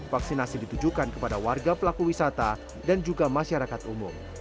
vaksinasi ditujukan kepada warga pelaku wisata dan juga masyarakat umum